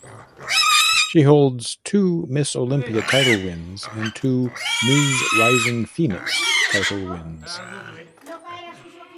She holds two Miss Olympia title wins and two Ms Rising Phoenix title wins.